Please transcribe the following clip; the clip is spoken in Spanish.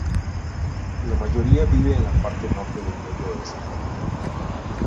La mayoría vive en la parte norte del medio oeste.